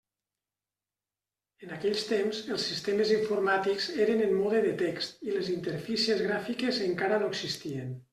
En aquells temps, els sistemes informàtics eren en mode de text i les interfícies gràfiques encara no existien.